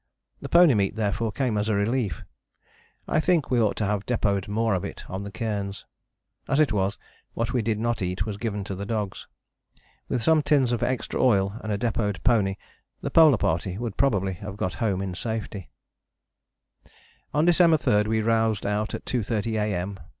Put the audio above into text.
The pony meat therefore came as a relief. I think we ought to have depôted more of it on the cairns. As it was, what we did not eat was given to the dogs. With some tins of extra oil and a depôted pony the Polar Party would probably have got home in safety. On December 3 we roused out at 2.30 A.M.